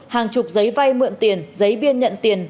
hàng chục giấy vai mượn tiền